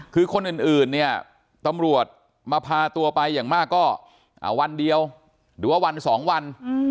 คือคนอื่นเนี่ยตำรวจมาพาตัวไปอย่างมากก็วันเดียวหรือว่าวันสองวัน